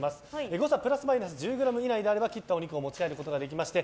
誤差プラスマイナス１０ｇ以内であれば切ったお肉を持ち帰ることができまして